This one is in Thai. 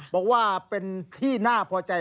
บอกว่าเป็นที่น่าพอใจ